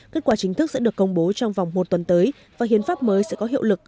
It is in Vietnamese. kết quả chính thức sẽ được công bố trong vòng một tuần tới và hiến pháp mới sẽ có hiệu lực